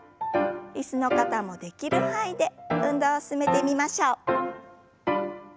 椅子の方もできる範囲で運動を進めてみましょう。